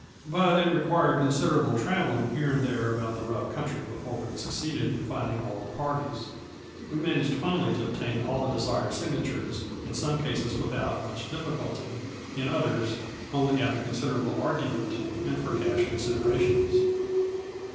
But it required considerable traveling here and there about that rough country before we succeeded in finding all the parties. We managed finally to obtain all the desired signa tures, in some cases without much difficulty, in others only after considerable argument, and for cash considerations. A FLURRY IN DIAMONDS.